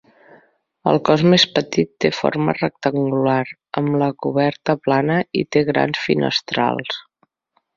El cos més petit té forma rectangular, amb la coberta plana, i té grans finestrals.